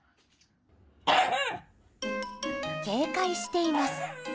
警戒しています。